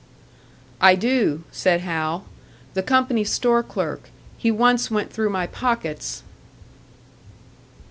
"I do," said Hal. "The company store clerk; he once went through my pockets."